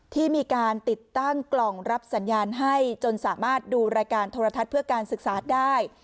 ที่มีการติดตั้งกล่องรับสัญญาณให้จนสามารถดูรายการโทรทัศน์เพื่อการศึกษาได้